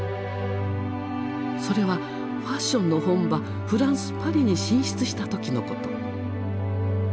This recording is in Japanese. それはファッションの本場フランス・パリに進出した時のこと。